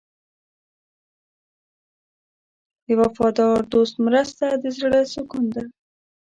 د وفادار دوست مرسته د زړه سکون ده.